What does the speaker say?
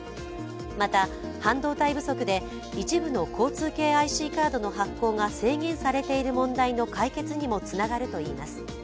また、半導体不足で一部の交通系ＩＣカードの発行が制限されている問題の解決にもつながるといいます。